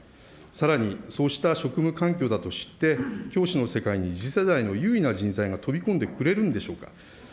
さらに、そうした職務環境だと知って、教師の世界に次世代の有為な人材が飛び込んでくれるんでしょうか。